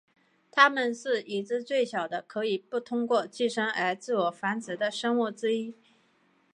它们是已知最小的可以不通过寄生而自我繁殖的生物之一。